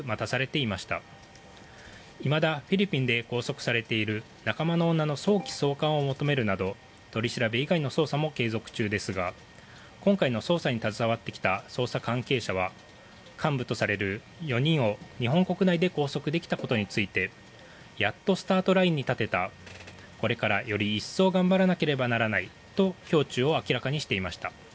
いまだフィリピンで拘束されている仲間の女の早期送還を求めるなど取り調べ中以外の捜査も継続中ですが今回の捜査に携わってきた捜査関係者は幹部とされる４人を日本国内で拘束できたことについてやっとスタートラインに立てたこれからより一層頑張らなければならないと胸中を明らかにしていました。